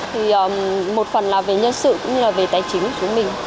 thì một phần là về nhân sự cũng như là về tài chính của chúng mình